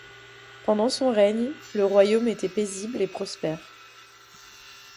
Pendant son règne, le royaume était paisible et prospère.